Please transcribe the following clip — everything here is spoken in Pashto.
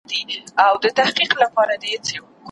هغه زوى چي يې تر ټولو كشرى وو